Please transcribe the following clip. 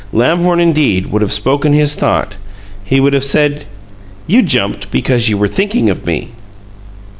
Lamhorn, indeed, would have spoken his thought. He would have said: "You jumped because you were thinking of me!"